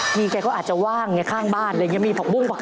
พี่กัดอาจจะว่างงงาข้างบ้านยังมีพักบุ้ง